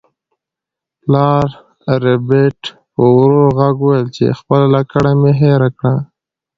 پلار ربیټ په ورو غږ وویل چې خپله لکړه مې هیره کړه